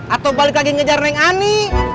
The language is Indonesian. atau balik lagi ngejar neng ani